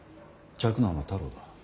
嫡男は太郎だ。